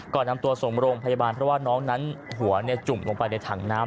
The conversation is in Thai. ก่อนนำตัวส่งโรงพยาบาลเพราะว่าน้องนั้นหัวจุ่มลงไปในถังน้ำ